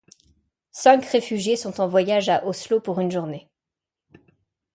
Cinq réfugiés sont en voyage à Oslo pour une journée.